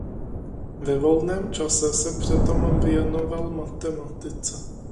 Ve volném čase se přitom věnoval matematice.